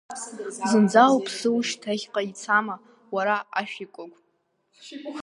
Зынӡа уԥсы ушьҭахьҟа ицама, уара ашәикәагә!